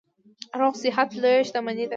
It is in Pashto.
روغ صحت لویه شتنمي ده.